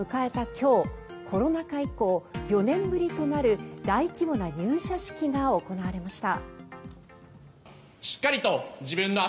今日コロナ禍以降４年ぶりとなる大規模な入社式が行われました。